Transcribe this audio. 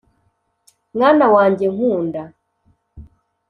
mwana wanjye nkunda